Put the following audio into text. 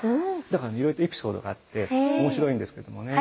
だからいろいろとエピソードがあって面白いんですけどもね。